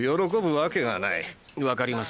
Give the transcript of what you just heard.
分かります。